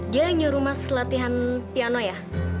dia nyuruh mas latihan piano ya